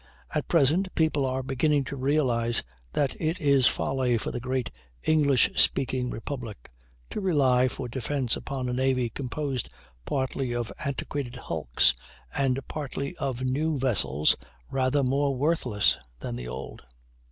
At present people are beginning to realize that it is folly for the great English speaking Republic to rely for defence upon a navy composed partly of antiquated hulks, and partly of new vessels rather more worthless than the old.